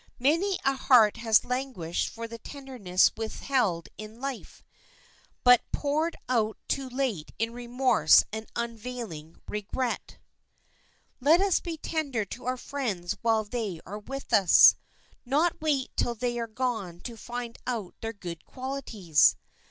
Many a heart has languished for the tenderness withheld in life, but poured out too late in remorse and unavailing regret. Let us be tender to our friends while they are with us,—not wait till they are gone to find out their good qualities.